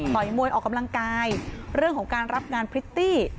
มวยออกกำลังกายเรื่องของการรับงานพริตตี้